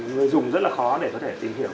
người dùng rất là khó để có thể tìm hiểu